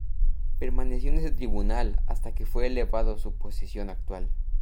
Permaneció en ese tribunal hasta que fue elevado a su posición actual.